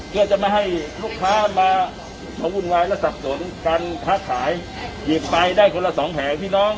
เพื่อจะไม่ให้ลูกค้ามาวุ่นวายและสับสนการค้าขายหยิบไปได้คนละสองแผงพี่น้อง